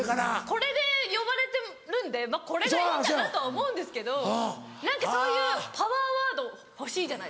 これで呼ばれてるんでこれがいいんだなとは思うんですけど何かそういうパワーワード欲しいじゃないですか。